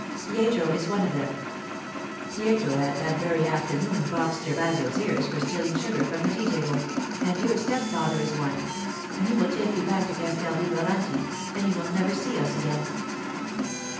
Pietro is one of them' (Pietro had that very afternoon boxed Gervasio's ears for stealing sugar from the tea table), 'and your stepfather is one, and he will take you back to Castel Vivalanti, and you will never see us again.